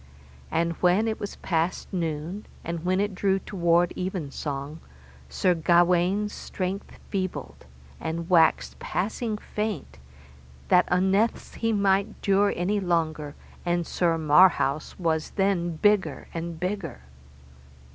And then when it was past noon, and when it drew toward evensong, Sir Gawaine's strength feebled, and waxed passing faint that unnethes he might dure any longer, and Sir Marhaus was then bigger and bigger.